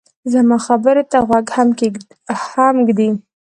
زما خبرې ته غوږ هم ږدې